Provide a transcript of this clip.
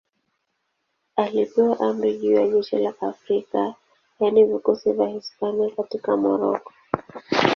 Alipewa amri juu ya jeshi la Afrika, yaani vikosi vya Hispania katika Moroko.